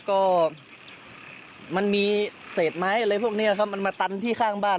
ก็มันมีเศษไม้อะไรพวกนี้ครับมันมาตันที่ข้างบ้าน